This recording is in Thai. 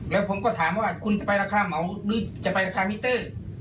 แล้วผมก็ถามว่าคุณจะไปราคาเหมาหรือจะไปราคามิเตอร์